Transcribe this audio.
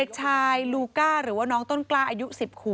พบหน้าลูกแบบเป็นร่างไร้วิญญาณ